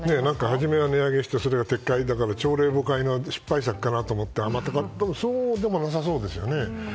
初めは値上げしてそれは撤回朝令暮改なので失敗なのかと思ったらそうでもなさそうですね。